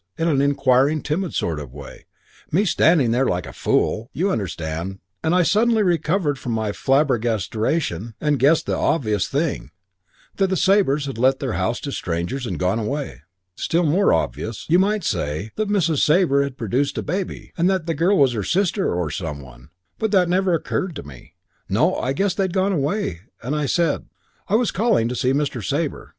in an inquiring, timid sort of way, me standing there like a fool, you understand, and I suddenly recovered from my flabbergasteration and guessed the obvious thing that the Sabres had let their house to strangers and gone away. Still more obvious, you might say, that Mrs. Sabre had produced a baby, and that the girl was her sister or some one, but that never occurred to me. No, I guessed they'd gone away, and I said, 'I was calling to see Mr. Sabre.